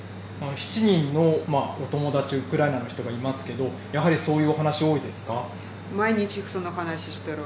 ７人のお友達、ウクライナの人がいますけれども、やはりそう毎日その話してる。